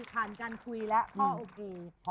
ผ่านการคุยและโฮอล์โอเค